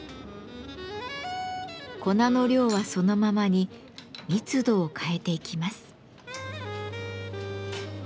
粉の量はそのままに密度を変えていきます。